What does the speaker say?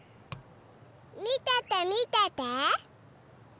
みててみてて！